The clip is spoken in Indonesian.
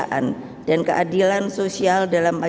dan keadilan sosial dalam kehidupan dan keadilan sosial dalam kehidupan